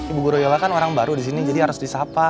ibu guru yola kan orang baru di sini jadi harus disapa